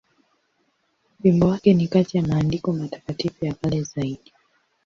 Wimbo wake ni kati ya maandiko matakatifu ya kale zaidi.